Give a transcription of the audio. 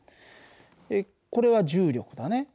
これは重力だね。